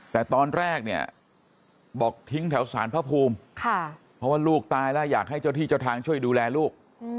แต่ตอนแรกเนี่ยบอกทิ้งแถวสารพระภูมิเพราะว่าลูกตายแล้วอยากให้เจ้าที่เจ้าทางช่วยดูแลลูก